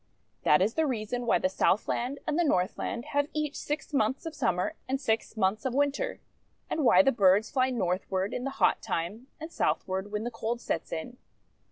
That is the reason why the Southland and the Northland have each six months of Summer and six months of Winter, and why the birds fly Northward in the hot time, and Southward when the cold sets in.